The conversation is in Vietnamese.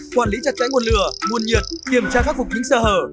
quản lý chặt cháy nguồn lửa nguồn nhiệt kiểm tra khắc phục những sơ hở